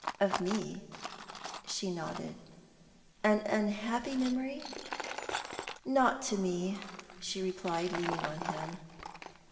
"Of me?" She nodded. "An unhappy memory?" "Not to me," she replied, leaning on him.